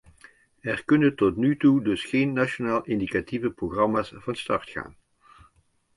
Er kunnen tot nu toe dus geen nationale indicatieve programma's van start gaan.